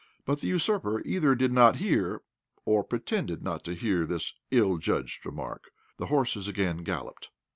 But the usurper either did not hear or pretended not to hear this ill judged remark. The horses again galloped.